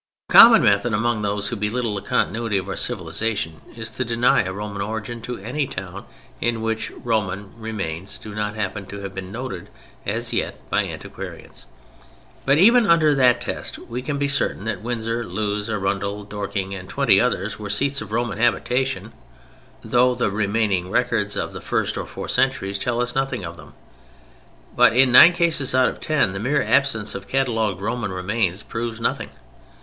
A common method among those who belittle the continuity of our civilization, is to deny a Roman origin to any town in which Roman remains do not happen to have been noted as yet by antiquarians. Even under that test we can be certain that Windsor, Lewes, Arundel, Dorking, and twenty others, were seats of Roman habitation, though the remaining records of the first four centuries tell us nothing of them. But in nine cases out of ten the mere absence of catalogued Roman remains proves nothing.